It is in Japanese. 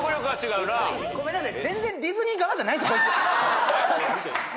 ごめんなさい。